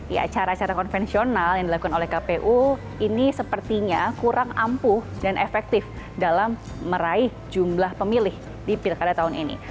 ya acara acara konvensional yang dilakukan oleh kpu ini sepertinya kurang ampuh dan efektif dalam meraih jumlah pemilih di pilkada tahun ini